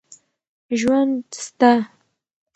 ژوند سته.